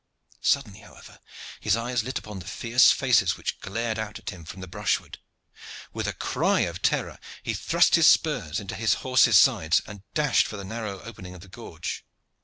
Suddenly, however, his eyes lit upon the fierce faces which glared out at him from the brushwood. With a cry of terror, he thrust his spurs into his horse's sides and dashed for the narrow opening of the gorge.